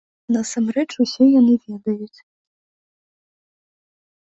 Насамрэч усё яны ведаюць.